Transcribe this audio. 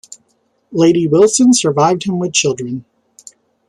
Lady Wilson survived him with children.